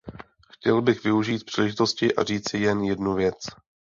Chtěl bych využít příležitosti a říci jen jednu věc.